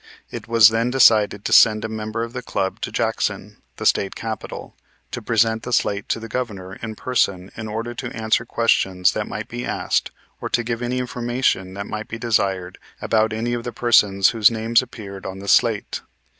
It was then decided to send a member of the club to Jackson, the State capital, to present the slate to the Governor in person in order to answer questions that might be asked or to give any information that might be desired about any of the persons whose names appeared on the slate.